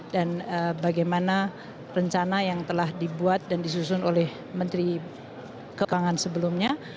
dan bagaimana rencana yang telah dibuat dan disusun oleh menteri keuangan sebelumnya